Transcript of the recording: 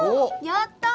やった！